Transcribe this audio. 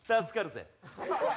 助かるぜ！